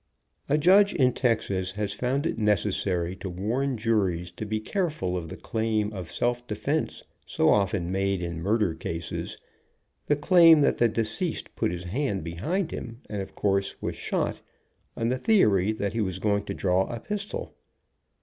A judge in Texas has found it necessary to warn juries to be careful of the claim of "self defense" so often made in murder cases, the claim that the de ceased put his hand behind him, and of course was shot, on the theory that he was going to draw a pis tol.